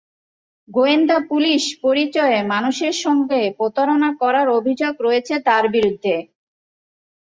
গোয়েন্দা পুলিশ পরিচয়ে মানুষের সঙ্গে প্রতারণা করার অভিযোগ রয়েছে তাঁর বিরুদ্ধে।